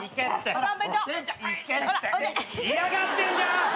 嫌がってんじゃん！